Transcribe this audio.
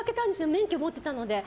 免許持ってたので。